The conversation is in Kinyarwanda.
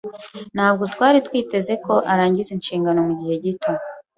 Ntabwo twari twiteze ko arangiza inshingano mugihe gito.